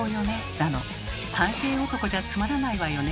だの「３平男じゃつまらないわよね」